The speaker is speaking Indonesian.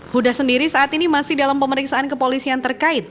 huda sendiri saat ini masih dalam pemeriksaan kepolisian terkait